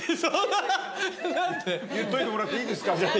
「言っといてもらっていいですか？」